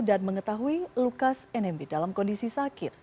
dan mengetahui lukas nmb dalam kondisi sakit